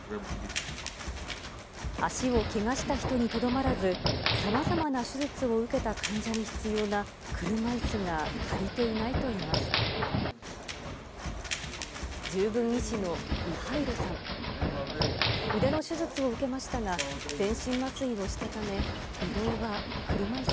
足をけがした人にとどまらず、さまざまな手術を受けた患者に必要な車いすが足りていないといいます。